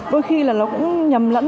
đôi khi là nó cũng nhầm lẫn